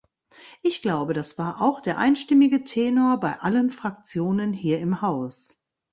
Ich glaube, das war auch der einstimmige Tenor bei allen Fraktionen hier im Haus.